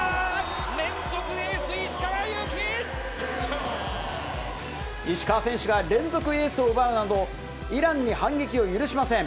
連続エース、石川選手が連続エースを奪うなど、イランに反撃を許しません。